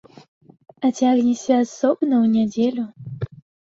А цягнешся асобна, у нядзелю?